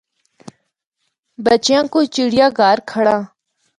بچےاں کو چِڑّیا گھر کھَڑّا۔